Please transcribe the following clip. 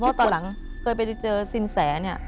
เพราะตอนหลังเคยไปเจอสินแสเนี่ย